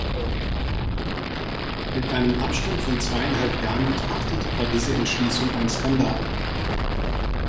Mit einem Abstand von zweieinhalb Jahren betrachtet, war diese Entschließung ein Skandal.